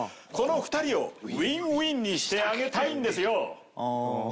この２人をウィンウィンにしてあげたいんですよ。